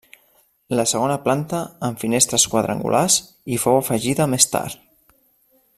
La segona planta, amb finestres quadrangulars, hi fou afegida més tard.